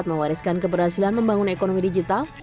mewariskan keberhasilan membangun ekonomi digital